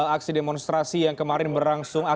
aksi demonstrasi yang kemarin berlangsung